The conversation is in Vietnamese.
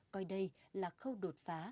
coi đây là khâu đột phá